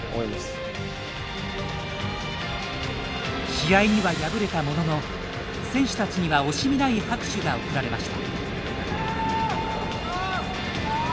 試合には敗れたものの選手たちには惜しみない拍手が送られました。